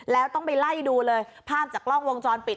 แล้วต้องไปไล่ดูเลยภาพจากกล้องวงจรปิด